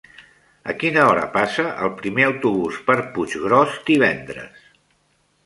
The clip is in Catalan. A quina hora passa el primer autobús per Puiggròs divendres?